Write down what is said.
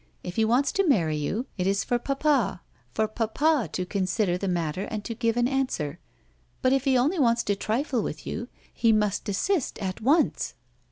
If he wants to marry you, it is for papa for papa to consider the matter and to give an answer; but, if he only wants to trifle with you, he must desist at once!"